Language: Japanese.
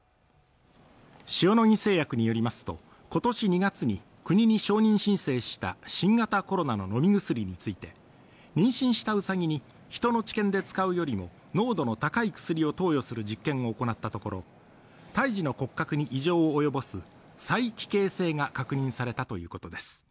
塩野義製薬によりますとことし２月に国に承認申請した新型コロナの飲み薬について妊娠したウサギに人の治験で使うよりも濃度の高い薬を投与する実験を行ったところ胎児の骨格に異常を及ぼす催奇形性が確認されたということです